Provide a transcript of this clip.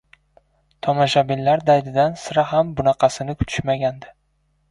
Tomoshabinlar daydidan sira ham bunaqasini kutishmagandi.